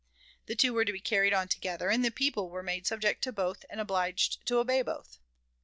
The two were to be carried on together, and the people were made subject to both and obliged to obey both.